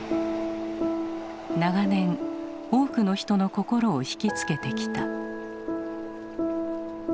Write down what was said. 長年多くの人の心を引きつけてきた。